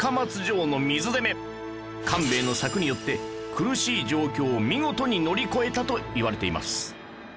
官兵衛の策によって苦しい状況を見事に乗り越えたといわれています